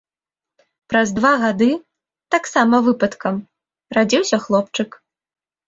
Праз два гады, таксама выпадкам, радзіўся хлопчык.